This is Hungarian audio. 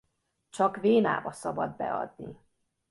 Csak vénába szabad beadni.